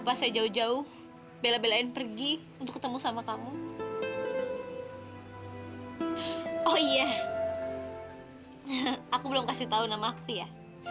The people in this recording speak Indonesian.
aku belum kasih tau nama aku ya